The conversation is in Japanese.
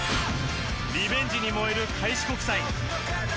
リベンジに燃える開志国際。